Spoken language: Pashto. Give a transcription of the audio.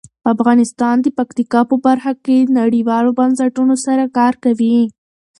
افغانستان د پکتیکا په برخه کې نړیوالو بنسټونو سره کار کوي.